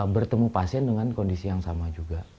bertemu pasien dengan kondisi yang sama juga